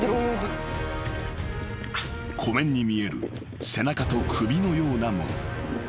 ［湖面に見える背中と首のようなもの］